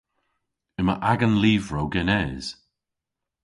Yma agan lyvrow genes.